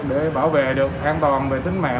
để bảo vệ được an toàn về tính mạng